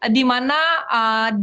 dimana dihimbau seluruh kota